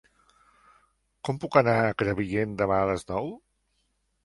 Com puc anar a Crevillent demà a les nou?